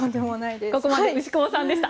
ここまで牛窪さんでした。